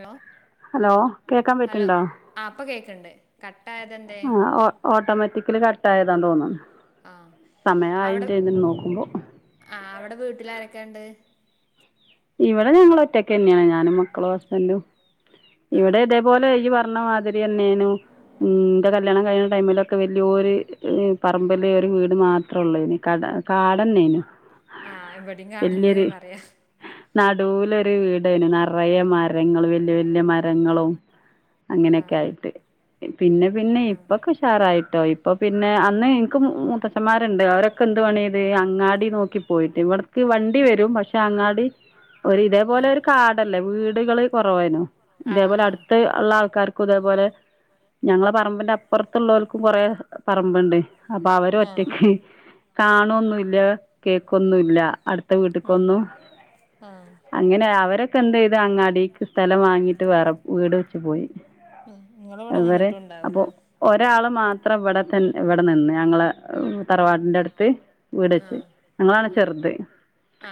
Hello hello കേക്കാൻ പറ്റുണ്ടോ ണ്ട് കട്ട് ആ ഓട്ടോമാറ്റിക്കലി കട്ട് ആയതാ തോന്നുന്നു. ആ അവ്ട സമയായിണ്ടേന്ന് നോക്കുമ്പോ ആ അവ്ട വീട്ടിലാരെ എന്തൊക്കെണ്ട് ഇവടെ ഞങ്ങള് ഒറ്റക്കന്നെയാ ഞാനും മക്കളും ഹസ്ബന്റും ആ ഇവടെ ഇതേപോലെ ഈ വ ന്ന മാതിരിയന്നേനു മ് ന്റ കല്യാണം കഴിഞ്ഞ ടൈമിലൊക്കെ വല്യോരു മ് പാ റമ്പിലീ ഒരു വീട് മാത്രെ ഉള്ളെയ്ന് കട കാടന്നെയ്നു ആ ഇവടേം കാടെ ന്നയാ പറയാ നടൂലൊരു വീടേനു നറയ മരങ്ങള് വല്യ വല്യ മരങ്ങളും ആ അങ്ങനെയൊക്കെ ആയിട്ട് പിന്നെ പിന്നെ ആ ഇപ്പൊക്കഷാറായിട്ടോ ഇപ് അപ്പോ പിന്നെ അന്ന് ഇൻക്ക് മു മുത്തച്ഛമ്മാരുണ്ട് അവരൊക്ക എന്തുപണി ചയ്തു അങ്ങാടി നോക്കിപ്പോയിട്ട് ഇവിടെക്ക് വണ്ടി വരും പക്ഷെ അങ്ങാടി ഒര് ഇതേപോലെ ആ ഒരു കാടല്ലേ വീടുകള് കൊറവായിനു ആ ഇതേപോലെ ആ അടുത്ത് ഉള്ള ആൾക്കാർ ക്കുതേപോലെ ഞങ്ങള പറമ്പിന്റെ അപ്പറത്തുള്ളോൽ ക്കും കൊറേ പറമ്പ്ണ്ട് അപ്പൊ അവര് ആ ഒറ്റക്ക് കാണോന്നുല്ല കേ ക്കൊന്നുംല്ല. അടുത്ത ആ വീട്ടിക്കൊന്നു ആ അവരൊക്ക എന്തെയ്ത് അങ്ങാടീക്ക് സ്ഥലം വാങ്ങീട്ട് വേറ വീട് വെച്ച് പോയി നിങ്ങളിവിടെ അവര് അപ്പൊ നിന്നിട്ടുണ്ടാവൂലേ ഒരാള് മാത്രം ഇവടെ തൻ ഇവടെ നിന്ന് ഞങ്ങള തറവാടിന്റെടുത്ത് വീട് ച്ച് ഞങ്ങളാണ് ചെറ്ത്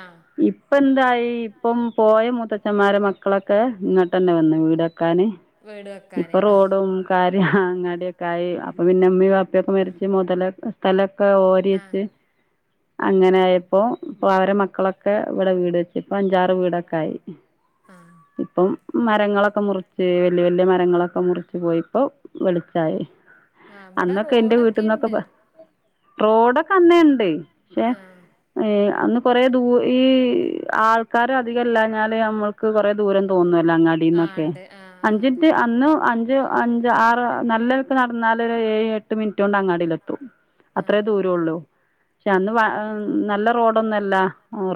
ആഹ് ഇപ്പന്തായി ഇപ്പം പോയ് ഇ മൂത്തച്ഛമ്മാരെ മക്കളൊക്കെ ഇങ്ങ തന്നെ വന്ന് വീടക്കാന് വീട് ഇപ്പൊ വെക്കാന് റോഡും കാര്യ അങ്ങാടി ക്കായി അപ്പൊ പിന്നെമ്മി വാപ്പിയൊക്കെ മരിച്ച് മുതല സ്ഥലൊക്കെ ആഹ് ആഹ് ഓരിയെച്ച് അങ്ങനെ ആയപ്പോ ഇപ്പൊ അവരെ മക്കളൊക്കെ ഇവടെ വീട് വച്ച് ഇപ്പ അഞ്ചാറ് വീടൊക്കെ ആയി ആഹ് ഇപ്പം മ രങ്ങളൊക്കെ മുറിച്ച് വല്യ വല്യ മരങ്ങളൊക്ക മുറിച്ച് പോയിപ്പോ വെളിച്ചായി ആ ഇവിടെ റോഡക്കെ ഉണ്ട് റോഡൊക്ക അന്നേ ഇണ്ട് പക്ഷേ ആഹ് അന്ന് കൊറേ ദൂ ഈ ആൾക്കാര അധികല്ലാഞ്ഞാല് അമ്മൾക്ക് കൊറേ ദൂരം തോന്നുവല്ലോ ആഹ് അങ്ങാടീന്നൊക്കെ ഉണ്ട് ആഹ് ആഹ് അതെ അഞ്ചിൻറ്റ് അന്ന് അഞ്ച് അഞ്ച് ആറ് നല്ലെൽക്ക് നടന്നാല് ഏഴ് എട്ട് മിനിറ്റ് കൊണ്ട് അങ്ങാടി ലെത്തും അത്രേ ആഹ് ദൂരൊള്ളൂ ക്ഷെ ഉം അന്ന് വ നല്ല റോഡൊന്നു അല്ല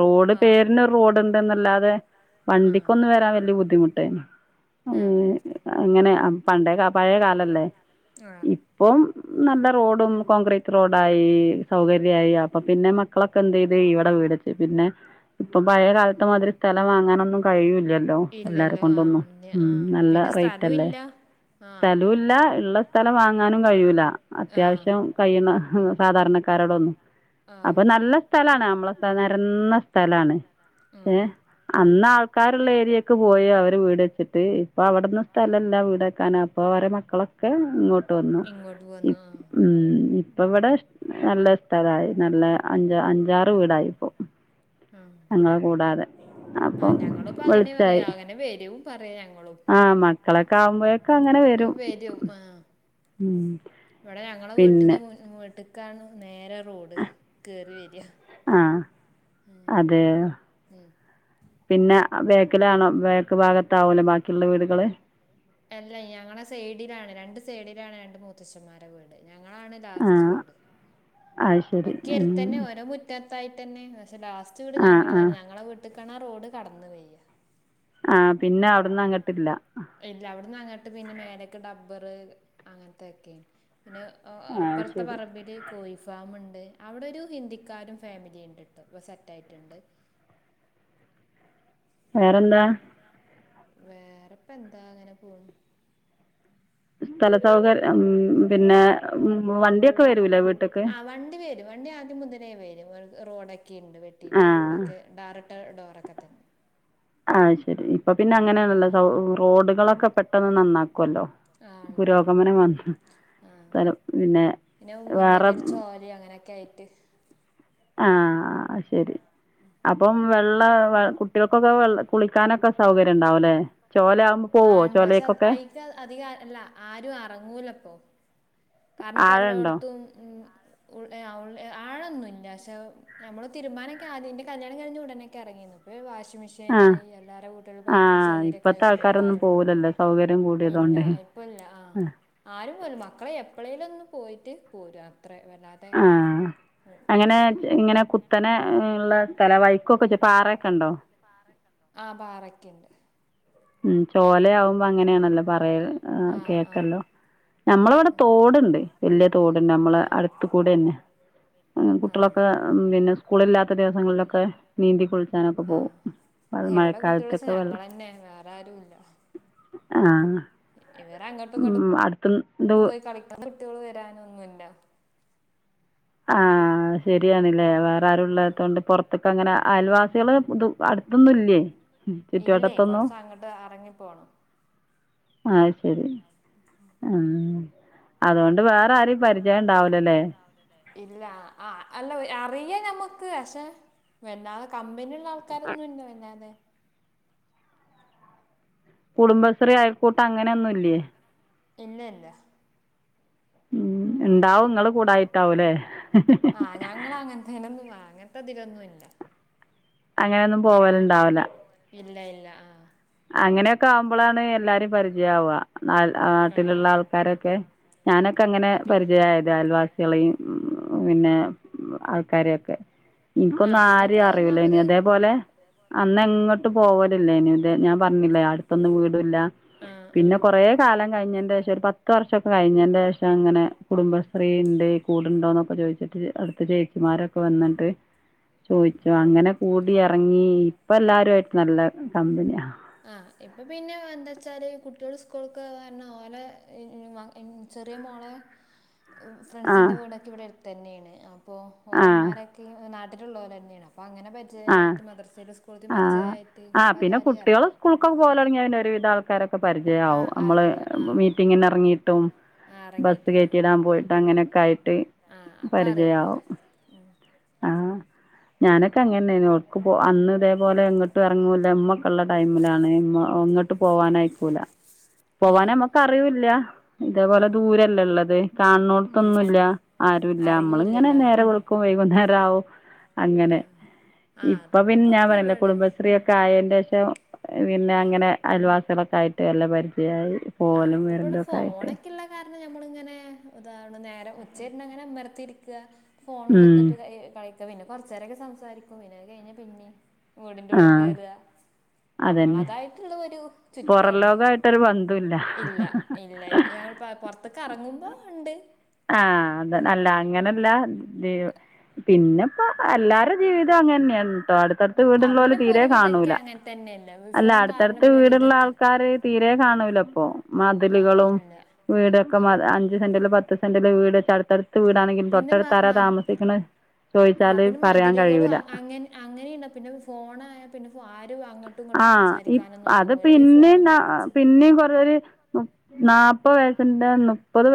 റോഡ് ആഹ് പേരിനൊരു റോഡ്ണ്ട്ന്നല്ലാ ആഹ് വണ്ടിക്കൊന്ന് വരാൻ വെല്യ ബുദ്ധിമുട്ടായ്നു ആഹ് അങ്ങനെ പണ്ടേ ക പഴയ കാലല്ലേ ആഹ് ഇപ്പം നല്ല റോഡും കോൺക്രീറ്റ് റോഡായി സൗകര്യായി അപ്പൊ പിന്നെ മക് ക്കളൊക്കെ എന്തെയ്ത് ഇവടെ വീടച്ച് പിന്നെ ഇപ്പം പഴയ കാലത്ത മാതിരി സ്ഥലം വാങ്ങാനൊന്നും കഴിയൂലല്ലോ എല്ലാര കൊണ്ടൊന്നും ഉം നല്ല റെ സ്ഥലം ഇല്ല ആ ല്ലാ ഇള്ള സ്ഥലം വാങ്ങാനും കഴിയൂല ആ അത്യാവശ്യം കഴിയുന്ന സാധാരണ ക്കാരോടൊന്നു ആ അപ്പൊ നല്ല സ്ഥലാണ് നമ്മളെ സ്ഥ നെരന്ന സ്ഥലാണ് ഉം ഏ അന്നാൾ ക്കാരുള്ള ഏരിയൊക്കെ പോയി അവരും വീട് വച്ചിട്ട് ഇപ്പൊ അവിടന്ന് സ്ഥലല്ല വീട് വക്കാൻ അപ്പൊ അവരെ മക്കളൊ ക്കെ ഇങ്ങോട്ട് വന്നു ഇങ്ങോട്ട് പോന്നു ആ ഉം മ് പ്പവെടെ നല്ല സ്ഥലായി നല്ല അഞ്ച് അഞ്ചാറ് വീടായിപ്പോ ആ ഞങ്ങളെ കൂടാതെ ആ അപ്പം ഞങ്ങളുപ്പൊ അതന്നെയാ വെളിച്ചമായി പറയാ അങ്ങനെ വെരും പറയാ ഞങ്ങളും മക്കളക്കാവുമ്പഴ് വരും ആ ഉം ഇവടെ ഞങ്ങള വീട്ടിന്റെ പിന്നെ മുൻ മ് ട്ട്ക്കാണ് നേരം റോഡ് കേറി വരാ ആ അങ്ങനെ അത് ഹ് പിന്നെ ബേക്കിലാണോ ബേക്ക് ഭാഗത്താ ആവുലോ ബാക്കിയുള്ള വീടുകള് അല്ല ഞങ്ങളുടെ സൈഡയിലാണ് രണ്ട് സൈഡിലാണ് രണ്ട് മുത്തശ്ശിമാരുടെ വീട് ഞങ്ങളാണ് ആ ലാസ്റ്റ് വീട് അത് ശരി ഒക്കെ ഉം. അടുത്തന്നെ ഓരോ മുറ്റത്തായി തന്നെ പക്ഷെ ലാസ്റ്റ് വീട് ആ ആ ഞങ്ങളാണ് ഞങ്ങളെ വീട്ടീക്കാണെ റോഡ് കടന്നു പെയ്യ ആ പിന്നെ അവിടുന്ന് അങ്ങോട്ടില്ല അവിടന്ന് അങ്ങട്ട് പിന്നെ മേലക്കെ ഡ ബർ അങ്ങനത്തൊക്കെയ പിന്നെ ആ അപ്പുറത്തെ ശരി പറമ്പിൽ കോഴി ഫാമ്ഉണ്ട് അവിടെ ഒരു ഹിന്ദിക്കാരും ഫാമിലിയും ഉണ്ടിട്ടോ ഇപ്പോ സെറ്റ് ആയിട്ടുണ്ട്. വേറെന്താ വേറെപ്പോ എന്താ അങ്ങനെ പോണ് സ്ഥല സൗകര്യം ഉ പിന്നെ വണ്ടി ആ വണ്ടി വരും വണ്ടി ആദ്യം മുതലേവരും റോഡൊക്കെ ണ്ട് വെട്ടി ആ റോഡൊക്കെ ടാറിട്ട ഡോറൊക്കെ തന്നെ ആ ശരി ഇപ്പൊ പിന്നെ അങ്ങനെയണല്ലോ റോഡുകളൊക്കെ പെട്ടെന്ന് നന്നാക്കും ക്കല്ലോ ആ ഉണ്ട് പുരോഗമനം വന്ന് ആ സ്ഥലം പിന്നെ പിന്നെ മുന്നിൽ വേറെ ഒരു ചോല അങ്ങനെയൊക്കെ ആയിട്ട് ആ ആ ശരി അപ്പം വെള്ള കുട്ടികൾക്കൊക്കെെ ഇതിനൊക്കൊക്കെ കുളിക്കാനൊക്കെ സൗകര്യം വെള്ള ഉണ്ടാവുമല്ലേ? ആ ഉണ്ട് പക്ഷെ അയിക്ക് അധികം അല്ല ആരും അറങ്ങൂലപ്പൊ കാരണം ഇപ്പ ആഴണ്ടോ? എല്ലായിടത്തും ഉ ഉ ആഴൊന്നും ഇല്ല പക്ഷെ നമ്മള് തീരുമാനൊക്കെ ആദ്യന്റെ കല്യാണം കഴിഞ്ഞ് ഉടനൊക്കെ ഇറങ്ങി ഉ [inaudible] മിഷ്യനായി എല്ലാരുടെ വീട്ടുകളിൽ പൈപ്പും സൗകര്യമൊക്കെ ആ ഇപ്പത്തെ കുമ്പോ ആൾക്കാരൊന്നും ആരും പോകും പോവൂലല്ലോ സൗകര്യം ഇല്ല. കൂടിയതോണ്ട്. ല്ല ആ ആരും പോലും മക്കളെ എപ്പളെ പോയിട്ട് പോരും അത്ര വല്ലാതെ ആ. അങ്ങനെ ഇങ്ങനെ [unintelligible] കുത്തനെ ഉള്ള സ്ഥല വഴുക്കുമൊക്കെ പാറെ ആ പാറക്കുണ്ട് ഉം ചോലയാവുമ്പോ അങ്ങനെയാണല്ലോ പറയ അങ്ങനെയാണല്ലോ കേക്കല്ലോ ഞമ്മള ഇവിടെ അടുത്ത തോടുണ്ട് വലിയ തോടുണ്ട് നമ്മളുടെ അടുത്ത കൂടെ ന്നെ ആഹ് കുട്ടികളൊക്കെ പിന്നെ സ്കൂളില്ലാത്ത ദിവസ ദിവസങ്ങളിലൊക്കെ നീന്തി കുളിക്കാനൊക്കെ ആഹ് പോകും മഴക്കാലത്തൊക്കെ വെള്ള അല്ല ആ ഇങ്ങോട്ടും ഉം അടുത്ത പോയി [unintelligible] വരാനൊന്നുല്ല ആ ശരിയാണില്ലേ വേറെ വരുള്ളതണ്ട് പുറത്തൊക്കെ അങ്ങനെ അയൽവാസികള് അടുത്തൊന്നും ഇല്ലേ ചുറ്റുവട്ടത്തൊന്നും. അ അറങ്ങിപ്പോണം ആ ശരി ആ അതുകൊണ്ട് വേറെ ആരെയും പരിചയം ഉണ്ടാവുലല്ലേ? ഇല്ല ആ അല്ല അറിയാ ഞമ്മുക്ക് പക്ഷെ [unintelligible] കമ്പനിയ ആൾക്കാരൊന്നുല്ല [unintelligible] കുടുംബശ്രീ അയൽക്കൂട്ട അങ്ങനെയന്നുല്ലേ? ഇല്ല ഇല്ല ഉം ഇണ്ടാവും ങ്ങള് കൂടായിട്ടാവൂല്ലേ? ആഹ് ഞങ്ങളാ അങ്ങൻത്തെയ്നൊന്നും അങ്ങൻത്തെതിലൊന്നുല്ല അങ്ങനെന്നും പോവല്ണ്ടാവ് ല്ല ഇല്ല ഇല്ല ആഹ് അങ്ങനെയൊക്കെ ആഉമ്പളാണ് എല്ലാരേം പരിചയാവ. നാ ആഹ് ആട്ടിലുള്ള ആൾക്കാരൊക്കെ ഞാനൊക്കെ അങ്ങനെ ആഹ് പിൻ പരിചയായതാ അയൽവാ സെളീം പിന്നെ ആൾക്കാരെക്കെ ഇൻക്കൊന്നും ആഹ് ആരി പിന്നെപ്പോ അറീലേഞ് ഒന്നാമത് ഇതേപോലെ അന്നെങ്ങട്ടും പോവലില്ലേഞ് ഇതെ ഞാൻ പർ ഞ്ഞില്ലേ അട്തൊന്നും വീടില്ല ആഹ് പിന്നെ ആഹ് കൊറേ കാലം കഴിഞ്ഞന്റെശം ഒരു പത്ത് വർഷംക്കെ കഴിഞ്ഞന്റെശം അങ്ങനെ കുടുംബശ്രീണ്ട് കൂടുണ്ടോന്നൊക്കെ ചോയ്ച് അടുത്ത ചേച്ചിമാരൊക്കെ വന്നട്ട് ചോയ്ചു ഉം അങ്ങനെ കൂടി ഇറങ്ങി ഇപ്പ എല്ലാരു ആയിട്ട് നല്ല കമ്പനി ആഹ് ഇപ്പൊ പിന്നെ എന്താച്ചാല് കുട്ട്യേൾ സ്കൂൾകോവാർഞാ ഓലെ [unintelligible] ചെറിയ മോളേ ഊ ആ ഫ്രണ്ട്സിൻ്റെ വീടൊക്കെ ഇവിടെട്തെന്നെണ് അപ്പോ ആ ഓലെമ്മാരൊക്കെ ഇ നാട്ടിലുള്ളോലെന്നേണ്. അ പ്പങ്ങനെ ആ പരിജയായിട്ട് മദർസിലു സ്കൂൾതിം പ ആ ആ പിന്നെ കുട്ടികള് സ്കൂള്ക്കൊക്കെ പോകല് തൊടങ്ങിയ പിന്നെ ഒരുവിധം ആൾക്കാരൊക്കെ പരിചയാവും. ആഹ് നമ്മള് അറിയാം ആഹ് മീറ്റിങ്ങിന് എറങ്ങി ട്ടും ആഹ് ബസ് എറങ്ങീട്ടും കേറ്റി ഉം വിടാൻ പോയിട്ടും അങ്ങനൊക്കെ ആയിട്ട് ആഹ് അപ്പ അറിയാം പരിചയാവും. ഉം ആ ഞാനൊ ക്കെ അങ്ങനേണ് പോറത്ത് പോ അന്ന് ഇതേപോലെ എങ്ങോട്ടും എറങ്ങുല ഇമ്മൊക്കെള്ള ടൈമിലാണ് എ ഇങ്ങോട്ട് പോ വാനയക്കൂല ആഹ് പോവാനമ്മക്ക് അറിയൂല്ല. ഇതേപോലെ ആഹ് ദൂരയല്ലേ ഉള്ളത്. ഇൽ ആഹ് കാണ്‌ന്നോട്ത്തൊന്നുല്ല ആരുല്ല നമ്മളിങ്ങനെ അറിയൂല്ലല്ലായി നേരം വെളുക്കും വൈകും നേ രാവും അങ്ങനെ ആഹ് ആഹ് ഇപ്പ അതന്നെ പിന്നെ ഞാൻ ഇപ്പ പറഞ്ഞില്ലെ ഇവിടെയും കുടുംബശ്രീക്കെ ആയൻ്റെ ഷം പിന്നെ ആഹ് അങ്ങനെ അയൽവാസികളൊക്കെ ആയി നല്ല പരിചയമായി ആഹ് ഇപ്പൊ ഇവിടെ ഫോണൊക്കെ ഉള്ള കാരണം ഞമ്മളിങ്ങനെ [unintelligible] നേരം ഉച്ച കഴിഞ്ഞങ്ങനെ വെർതെ ഇരിക്കുക. ഫോൺ ഉം കൊടുത്തിട്ട് ഏഹ് കളി പിന്നെ കൊറച്ച് നേരോക്കെ സംസാരിക്കും. പിന്നത് കഴിഞ്ഞാ പിന്നേം വീടിന്റെ ഉള്ളിൽ ആഹ് കേറുക. അതന്നെ നമ്മളടതായിട്ടുള്ള ഒരു പൊറം ചുറ്റുപാട്. ലോകായിട്ടൊരു ബന്ധുല്ല ഇല്ല ഇല്ല ഞങ്ങൾ പ പൊറത്ത് കറങ്ങുമ്പോ ഉണ്ട്. ആഹ് അത് അല്ല അങ്ങനല്ല. പിന്നിപ്പ എല്ലാർടേം ജീവിതം അങ്ങനെന്നെയാൺട്ടോ അടു ത്തടുത്ത് ആ വീടുള്ളോര് പിന്നെ ഇപ്പൊ തീരേ ഒരുവിധം ഒക്കെ കാണൂല്ല. അങ്ങനെ തന്നെയല്ലേ അല്ല ഫോൺ കാരണം അടുത്തടുത്ത് പിന്നെ വീടുള്ള ഒരുവിധമൊക്കെ ആൾക്കാര് തീ രേ കാണുല്ല ഇപ്പൊ. ആ മതിലുകളും ഇല്ല വീടൊക്കെ മാ മതിലുകളും. ആ അഞ്ച് സെൻ്റില് പത്ത് വീടിൻ്റെ അടുത്തടുത്ത് വീടാണെങ്കിലും പിന്നെ മ തൊട്ടടുത്താരാ മ- താമസിക്കണേ ആ പിന്നെ മതിലുകളും അങ്ങനെ അങ്ങനെയുണ്ട പിന്നെ ഫോണായാ പിന്നെ ആ ആഹ് അത് ഈ പിന്നേ ഫോണുമ്മ അതിപ്പോ കളിച്ച് ഒരു പിന്നേം കൊറേ ഒരു നാല്പ്പത് നാ- വയസ്സിന്റെ മുപ്പത്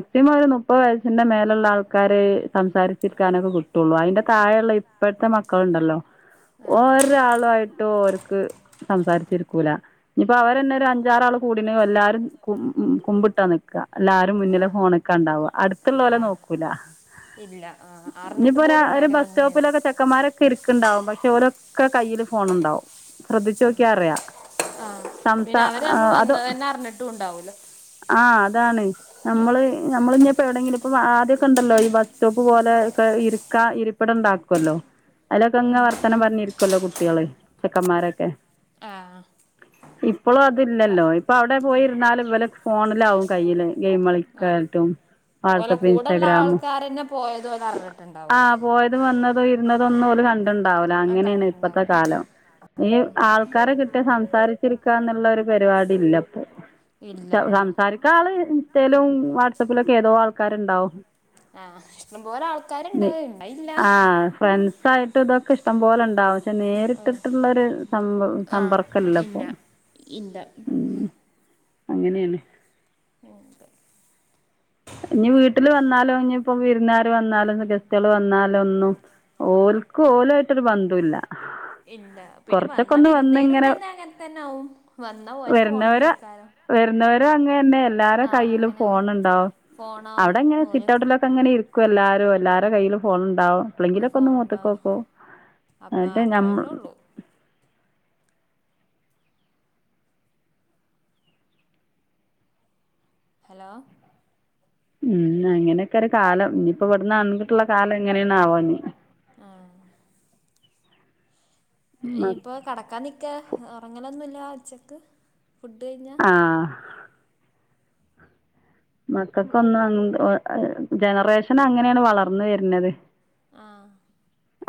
വയ- ഒരു മുപ്പത് വയസ്സിന്റെ മേലുള്ള ആൾക്കാര് സംസാരിച്ചിരിക്കാനൊക്കെ കിട്ടുള്ളു. അതിന്റെ താഴെയുള്ള ഇപ്പോഴത്തെ മക്കളുണ്ടല്ലോ ഉണ്ടല്ലോ ആ ഒരാളുവായിട്ട് ഓര്ക്ക് സംസാരിച്ചിരിക്കൂല. ഇനിപ്പോ അവരന്നെ ഒരു അഞ്ചാറാള് കൂടിങ്കി എല്ലാരും കും കുമ്പിട്ടാ നിക്കുക എല്ലാരും മുന്നിലെ ആ ഫോണ്ക്ക് ഒക്കെണ്ടാവും ആ അടുത്തുള്ളോലെ നോക്കൂല ആരുണ്ടാവൂല. ഇല്ല ആ അറിഞ്ഞിട്ട് ഇഞ്ഞിപ്പൊ ഒരാ പോലും ഒരു ഉണ്ടാവില്ല ബസ് വന്ന് സ്റ്റോപ്പിലൊക്കെ നിന്നിട്ട് ചെക്കന്മാരൊക്കെ ഇരിക്ക്ണ്ടാവും പക്ഷെ ഓലൊ ക്കെ കയ്യില് ഫോണ് ണ്ടാവും ശ്രദ്ധിച്ചോക്കിയാറിയാ ആ പിന്നെ സംസാ അവര് നമ്മൾ ആഹ് അത് വന്നത് തന്നെ അറിഞ്ഞിട്ടും ഉണ്ടാവൂല ആഹ് അതാണെയ് നമ്മള് നമ്മള് ഇഞ്ഞിപ്പോ എവിടെങ്കിലും അപ്പം ആദ്യൊക്കെണ്ടല്ലോ ഈ ബസ് സ്റ്റോപ്പ് പോലെ ഒക്കെ ഇരിക്കാൻ ഇരിപ്പിടം ഉണ്ടാക്കോല്ലോ അയ്ലൊക്കെ ഇങ്ങനെ വർത്താനം പറഞ്ഞിരിക്കുവല്ലോ കുട്ട്യാള് ചെക്കന്മാരൊക്കെ ആ ഇപ്പളും പ അതില്ലല്ലോ ഇപ്പവിടെ ഇപ് പോയിരുന്നാലും ഇവലെ ഫോണിലാാവും കയ്യില് ഗെയിം ആ കളിക്കായ്ട്ടും ഓലെ വാട്സപ്പും കൂടെള്ള ഇൻസ്റ്റാഗ്രാമും ആൾക്കാരന്നെ പോയത് ഓലെ അറിഞ്ഞിട്ടുണ്ടാവൂല ആഹ് പോയതും വന്നതും ഇരുന്നതൊന്നും ഓല് കണ്ട്ണ്ടാവൂല ആ അങ്ങനേണ് ഇപ്പത്തെ കണ്ടിട്ടുണ്ടാവൂല കാലം ഈ ആൾക്കാരെ കിട്ടി സംസാരിച്ചിരിക്കാ എന്നുള്ള ഒരു പരിപാടി ഇല്ല ത്ത് ഇല്ല ഉം. സംസാരിക്ക ആള് ഇൻസ്റ്റയിലും വാട്സപ്പിലൊക്കെ ഏതോ ആൾക്കാരുണ്ടാവും ആ ഇഷ്ടംപോലെ ആൾക്കാരുണ്ട് ഞ്ഞി ഉണ്ടായില്ല ആഹ് ഫ്രണ്ട്സായിട്ടും ഇതൊക്കെ ഇഷ്ടം പോലെ ഉണ്ടാവുന്ന പക്ഷെ ഉം. നേരിട്ടിട്ടുള്ളൊരു സമ്പ സമ്പർക്കല്ല ഇപ്പൊ ഇന്റ അങ്ങനേണ് [inaudible] ഇനി വീട്ടില് വന്നാലും ഇഞ്ഞിപ്പൊ വിരുന്നാർ വന്നാലും ഗസ്റ്റാള് വന്നാലൊന്നും ഓൽക്ക് ഓലായിട്ടൊരു ബന്ധവുല്ല ഇല്ല പിന്നെ വന്ന വിരുന്നേരും തന്നെ അങ്ങനെ തന്നാവും വന്നാ ഓര് ഫോണുമ്മെ വരുന്നവരെ അയ്ക്കാരം വരുന്നവരും അങ്ങനന്നെ എല്ലാരെ കയ്യിലും അങ്ങനെ ആവും ഫോണ് ണ്ടാവും ഫോണാവും അവ്ടങ്ങനെ ഓല് സിറ്റ് ഔട്ടിലൊക്കെ അങ്ങനെ ഇരിക്കും എല്ലാരും എല്ലാരെ കയ്യിലും ഫോണ് ണ്ടാവും ഉണ്ടാവും എപ്പളെങ്കിലൊക്കൊന്ന് ഫോണുണ്ടാവും മോത്ത്ക്കോക്കും അപ്പം എന്നിട്ട് നമ്മ അത്രന്നെ ഉള്ളൂ ഹലോ ഉം അങ്ങനെയൊക്കെ ഒരു കാലം ഇനിയിപ്പോ ഇവിടന്ന് അങ്ങട്ടുള്ള കാലം എങ്ങനെയണ ആവാ ഇഞ്ഞ് ആഹ് യിപ്പൊ കടക്കാ നിക്കാ ഉറങ്ങലൊന്നുമല്ല അച്ചക്ക് ഫുഡ് കഴിഞ്ഞാ ആഹ് മക്കൾക്കൊന്ന് ജനറേഷൻ അങ്ങനെയാണ് വളർന്ന വരുന്നത് ആഹ്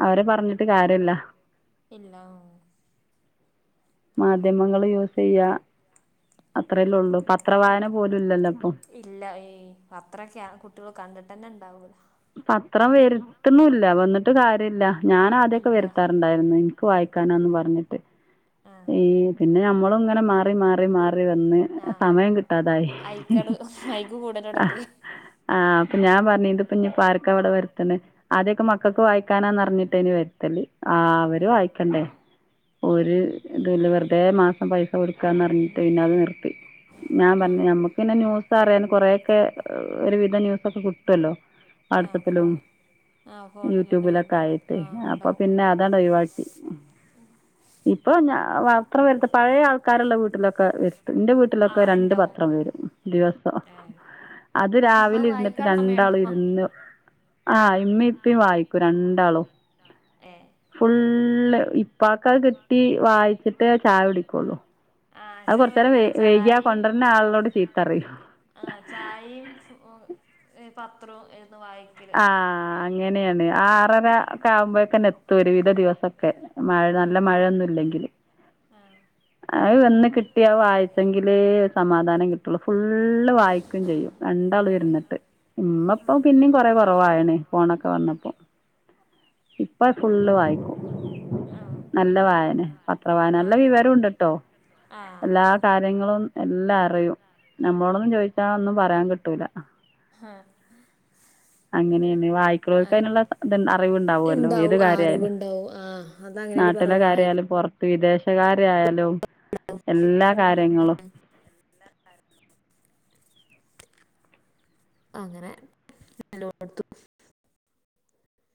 അവരെ പറഞ്ഞിട്ട് കാര്യ ഇല്ല ഇല്ല മാധ്യമങ്ങള്ൾ യൂസ് ചെയ്യ അത്രല്ലേ ഉള്ളൂ അ പത്രവായന പോലും ഇല്ലല്ലോ ഇപ്പം ഇല്ല ഈ പത്രൊക്കെ കുട്ടികൾ കണ്ടിട്ട് തന്നെ ഉണ്ടാവന്നെ ഒള്ളൂ പത്രം വരുത്തുന്നുല്ല വന്നിട്ട് കാര്യ ഇല്ല ഞാൻ ആദ്യൊക്കെ ഇല്ല വരുത്താറുണ്ടായിരുന്നു വായിക്കാനന്ന് പറഞ്ഞിട്ട് ആ പിന്നെ നമ്മള ഇങ്ങനെ മാറി മാറി മാറി മാറി വന്ന് ആ സമയം കിട്ടാതായി അയിക്കട് അയിക്ക് കൂടലോടത്തി ഞാൻ പറഞ്ഞ ഇതിപ്പ ഇഞ് പാർക്ക അവിടെ വരുത്തെ ആദ്യൊക്കെ മക്കൾക്ക് വായിക്കാനാന്ന് പറിഞ്ഞിട്ട് വരുത്തല് ആ അവര് വായിക്കണ്ടേ ഒരു വെറുതെ മാസം പൈസ കൊടുക്കുകാന്ന്റിഞ്ഞിട്ട് പിന്നെ അത് നിർത്തി ഞാൻ ആ പറഞ്ഞു നഞമ്മുക്ക് പിന്നെ ന്യൂസ് അറിയൻ കൊറെേൊക്കെ ഒരു വിവിധ ന്യൂസൊക്കെ കു കിട്ടല്ലോ ആ വാട്സാപ്പിലും ഫോൺ ആ ഫോണിൽ തന്നെ യൂട്യൂബിലൊക്കെ ഉണ്ടാവില്ല ആയിട്ട് ആ അപ്പൊ പിന്നെ ഉണ്ടാവും അതാണ് ഒഴിവാക്കി ഇപ്പൊ ഞാ പത്രം വരുത്ത പഴയ ആൾക്കാരുള്ള വീട്ടിലൊക്കെ വരുത്ത ഇന്റെ ആ വീട്ടിലൊക്കെ രണ്ട് ഉണ്ടാവും പത്രം വരും ദിവസം ഏ അത് ആ രാവിലെ ഇരുന്നിട്ട് വായിക്കാനുള്ള രണ്ടാളും ഇ സമയമുണ്ടോ ഇരുന്ന് ആഹ് ഇമ്മ ഇപ്പയും വായിക്കൂ രണ്ടാളും ഏ ഫുള്ള് ഇപ്പാക്ക് കിട്ട ആ അത് ചെലോല് ഇണ്ട് ചായം ചീത്തപറിം ആ ചായയും പത്രവും വായിക്കല് ആ അങ്ങനെയാണ് ആറര ഒക്കെ ആവുമ്പോ ക്കെത്തും ഒരു വിധ ദിവസൊക്കെ മഴ നല്ല മഴയൊന്നും ഇല്ലെങ്കിൽ അയ് വന്ന് കിട്ടിയാ വായിച്ചെങ്കില് സമാധാനം കിട്ടുള്ളൂ ഫുള്ള് വായിക്കയും ചെയ്യും രണ്ടാളും ഇരുന്നിട്ട് ഉമ്മ ഇപ്പം പിന്നിം കൊറെ കുറവായണേ ഫോണൊക്കെ വന്നപ്പോ ഇപ്പ ഫുള്ള് വായിക്കും നല്ല വായന പത്ര വായന നല്ല വിവരംുണ്ട്ട്ടോ ട്ടോ എല്ലാ കാര്യങ്ങളും എല്ലാം അറിയും നമ്മളോടൊന്നും ചോദിച്ചാ ഒന്നും പറയാൻ കിട്ടൂല ഹ ഉ [unintelligible] അങ്ങനെയ വായക്കുള്ളവക്ക അതിനുള്ള അറിവുണ്ടാവല്ലോ ഏത് ഉണ്ടാവും ആ കാര്യയാലും അറിവുണ്ടാവും ആ അതങ്ങനെയാണ് പറയാ വായി നാട്ടിലാലുംറ വിശാലും എല്ല കാര്യങ്ങോ അങ്ങനെ നിലോത്തു